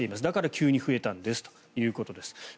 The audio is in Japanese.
だから急に増えたんだということです。